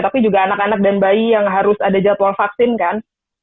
tapi juga anak anak dan bayi yang harus ada jadwal vaksin kan